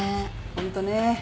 ホントねぇ。